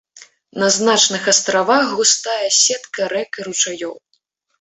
На значных астравах густая сетка рэк і ручаёў.